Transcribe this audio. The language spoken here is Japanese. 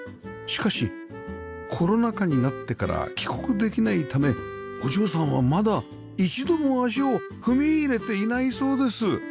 しかしコロナ禍になってから帰国できないためお嬢さんはまだ一度も足を踏み入れていないそうです